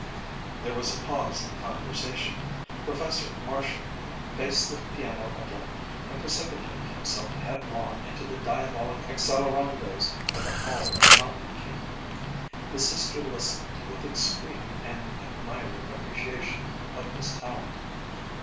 There was a pause in the conversation. Professor Marshall faced the piano again and precipitated himself headlong into the diabolic accelerandos of "The Hall of the Mountain King." His sister listened with extreme and admiring appreciation of his talent.